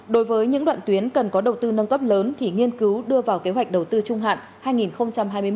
đối với những đoạn tuyến cần có đầu tư nâng cấp lớn thì nghiên cứu đưa vào kế hoạch đầu tư trung hạn hai nghìn hai mươi một hai nghìn hai mươi sáu